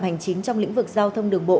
hành chính trong lĩnh vực giao thông đường bộ